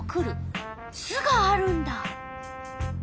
巣があるんだ。